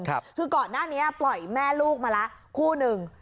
คือก่อนหน้านี้ปล่อยแม่ลูกมาแล้วคู่หนึ่ง